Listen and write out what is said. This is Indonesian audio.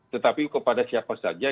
tetapi kepada siapa saja